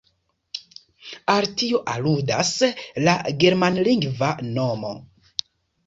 Al tio aludas la germanlingva nomo.